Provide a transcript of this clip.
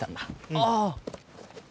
ああ！